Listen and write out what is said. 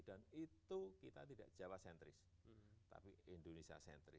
dan itu kita tidak jawa sentris tapi indonesia sentris